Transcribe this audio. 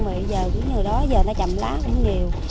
bây giờ người đó chầm lá cũng nhiều